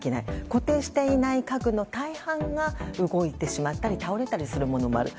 固定していない家具の大半が動いてしまったり倒れたりするものもある。